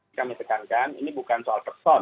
saya menyekankan ini bukan soal person